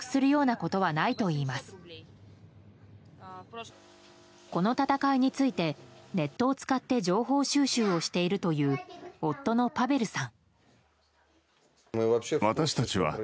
この戦いについてネットを使って情報収集をしているという夫のパベルさん。